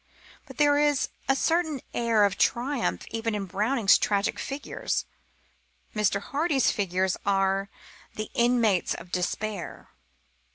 But there is a certain air of triumph even in Browning's tragic figures. Mr. Hardy's figures are the inmates of despair.